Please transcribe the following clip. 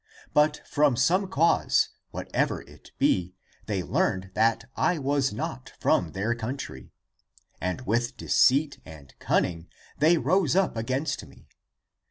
But from some cause, whatever it be, They learned that I was not from their country, And with deceit and cunning they rose up against me.